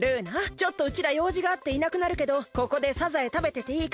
ちょっとうちらようじがあっていなくなるけどここでサザエたべてていいから！